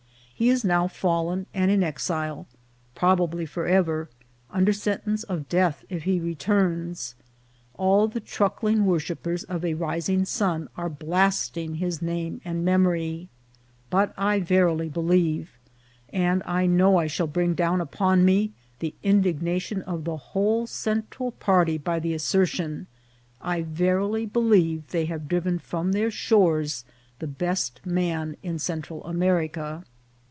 He is now fallen and in exile, probably forever, under sentence of death if he returns ; all the truckling worshippers of a rising sun are blasting his name and memory ; but I verily believe, and I know I shall bring down upon me the indignation of the whole Central party by the asser tion, I verily believe they have driven from their shores the best man in Central America.